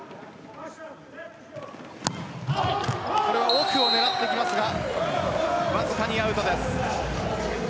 奥を狙っていきますがわずかにアウトです。